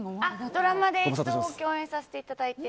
ドラマで一度共演させていただいて。